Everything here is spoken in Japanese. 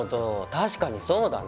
確かにそうだね。